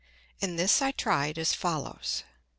And this I tried as follows.